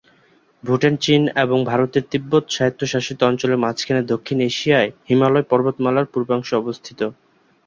ভুটান চীন এবং ভারতের তিব্বত স্বায়ত্তশাসিত অঞ্চলের মাঝখানে দক্ষিণ এশিয়ায় হিমালয় পর্বতমালার পূর্বাংশে অবস্থিত।